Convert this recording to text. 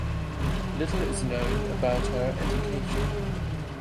Little is known about her education.